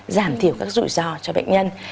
giảm thiểu các rủi ro cho bệnh nhân